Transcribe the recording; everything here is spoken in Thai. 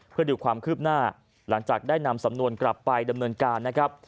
เพื่อดูความคืบหน้าหลังจากได้นำสำนวนกลับไปดำเนินการนะครับ